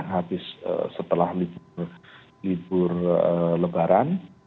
habis setelah libur lebaran